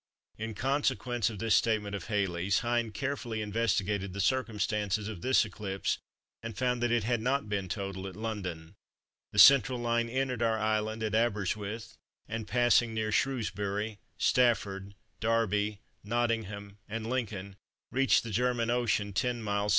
In consequence of this statement of Halley's, Hind carefully investigated the circumstances of this eclipse, and found that it had not been total at London. The central line entered our island at Aberystwith, and passing near Shrewsbury, Stafford, Derby, Nottingham, and Lincoln, reached the German Ocean, 10 miles S.